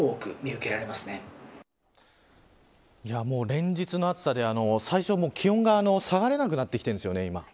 連日の暑さで最初は気温が下がらなくなってきているんです。